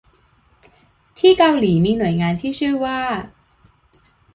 ที่เกาหลีมีหน่วยงานที่ชื่อว่า